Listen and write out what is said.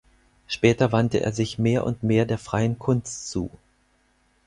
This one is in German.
Später wandte er sich mehr und mehr der freien Kunst zu.